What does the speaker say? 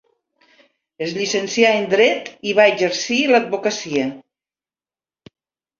Es llicencià en dret i va exercir l'advocacia.